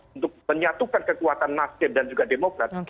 untuk menyatukan kekuatan nasdem dan juga demokrat